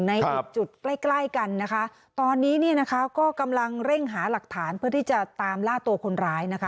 ในอีกจุดใกล้ใกล้กันนะคะตอนนี้เนี่ยนะคะก็กำลังเร่งหาหลักฐานเพื่อที่จะตามล่าตัวคนร้ายนะคะ